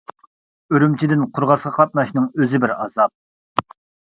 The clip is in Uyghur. ئۈرۈمچىدىن قورغاسقا قاتناشنىڭ ئۆزى بىر ئازاب.